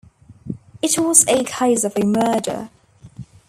It was a case of a murder.